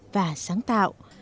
và sáng tạo